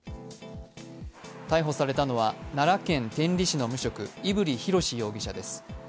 逮捕されたのは奈良県天理市の無職、飯降洋容疑者です。